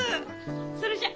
それじゃ。